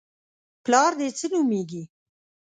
_پلار دې څه نومېږي؟